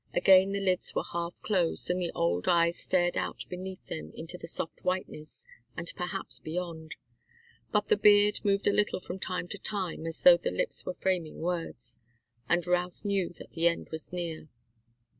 Again the lids were half closed, and the old eyes stared out beneath them into the soft whiteness, and perhaps beyond. But the beard moved a little from time to time, as though the lips were framing words, and Routh knew that the end was near.